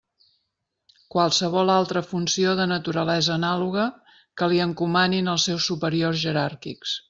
Qualsevol altra funció de naturalesa anàloga que li encomanin els seus superiors jeràrquics.